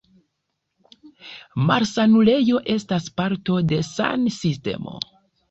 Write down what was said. Malsanulejo estas parto de san-sistemo.